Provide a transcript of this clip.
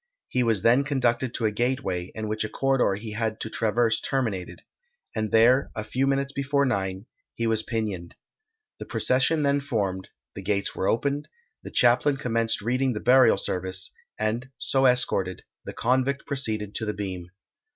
He was then conducted to a gateway; in which a corridor he had to traverse terminated, and there, a few minutes before nine, he was pinioned. The procession then formed, the gates were opened, the chaplain commenced reading the burial service, and, so escorted, the convict proceeded to the beam.